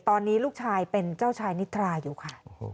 ตอนนี้ลูกชายเป็นเจ้าชายนิทราอยู่ค่ะ